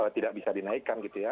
tidak bisa dinaikkan gitu ya